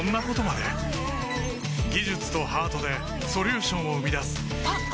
技術とハートでソリューションを生み出すあっ！